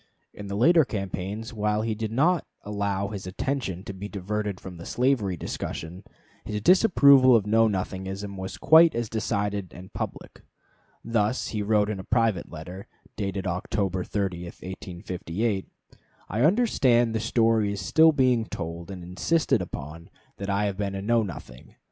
In the later campaigns, while he did not allow his attention to be diverted from the slavery discussion, his disapproval of Know Nothingism was quite as decided and as public. Thus he wrote in a private letter, dated October 30, 1858: "I understand the story is still being told and insisted upon that I have been a Know Nothing.